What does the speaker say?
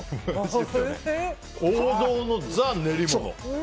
王道のザ、練り物。